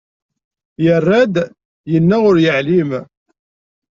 Yerra-d, yenna ur yeεlim.